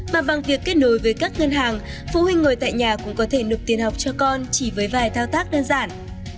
mà bằng việc kết nối với các ngân hàng phụ huynh ngồi tại nhà cũng có thể nộp tiền học cho con chỉ với vài thao tác đơn giản